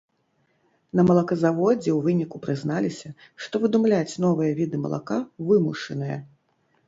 На малаказаводзе ў выніку прызналіся, што выдумляць новыя віды малака вымушаныя.